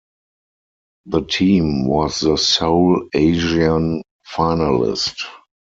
The team was the sole Asian finalist.